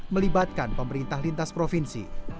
dan juga dengan pemerintah lintas provinsi